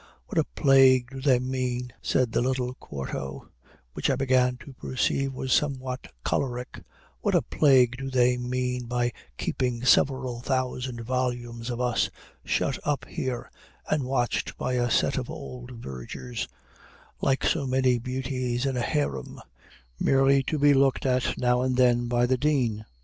"What a plague do they mean," said the little quarto, which I began to perceive was somewhat choleric, "what a plague do they mean by keeping several thousand volumes of us shut up here, and watched by a set of old vergers, like so many beauties in a harem, merely to be looked at now and then by the dean?